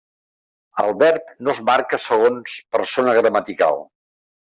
El verb no es marca segons persona gramatical.